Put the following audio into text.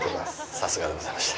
さすがでございました。